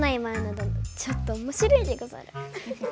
どのちょっとおもしろいでござる。